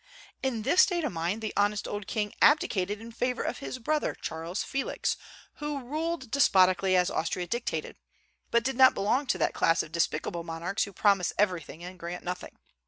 In this state of mind the honest old king abdicated in favor of his brother Charles Felix, who ruled despotically as Austria dictated, but did not belong to that class of despicable monarchs who promise everything and grant nothing.